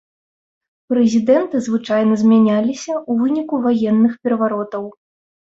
Прэзідэнты звычайна змяняліся ў выніку ваенных пераваротаў.